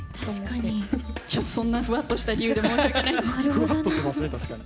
ちょっとそんなフワッとした理由で申し訳ないんですけど。